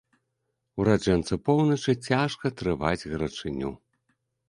Ураджэнцу поўначы цяжка трываць гарачыню.